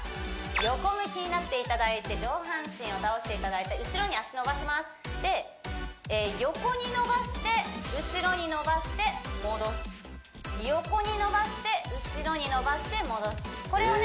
横向きになっていただいて上半身を倒していただいて後ろに脚伸ばしますで横に伸ばして後ろに伸ばして戻す横に伸ばして後ろに伸ばして戻すこれをね